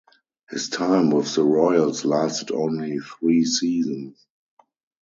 His time with the Royals lasted only three seasons.